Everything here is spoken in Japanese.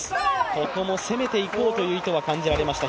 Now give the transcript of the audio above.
ここも攻めていこうという意識は感じられました。